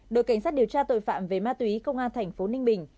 đội cảnh sát điều tra tội phạm về ma túy công an thành phố ninh bình